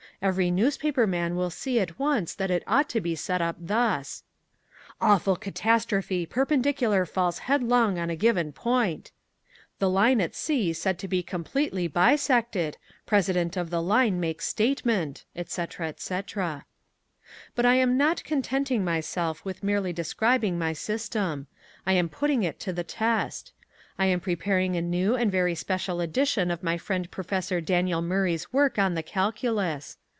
Every newspaper man will see at once that it ought to be set up thus: AWFUL CATASTROPHE PERPENDICULAR FALLS HEADLONG ON A GIVEN POINT The Line at C said to be completely bisected President of the Line makes Statement etc., etc., etc. But I am not contenting myself with merely describing my system. I am putting it to the test. I am preparing a new and very special edition of my friend Professor Daniel Murray's work on the Calculus.